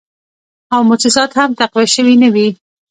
او موسسات هم تقویه شوي نه وې